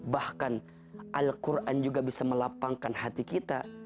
bahkan al quran juga bisa melapangkan hati kita